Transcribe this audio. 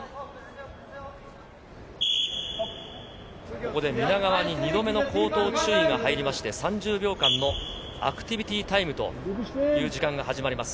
ここで皆川に２度目の口頭注意がありまして、３０秒間のアクティビティータイムという時間が始まります。